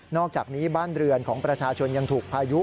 อกจากนี้บ้านเรือนของประชาชนยังถูกพายุ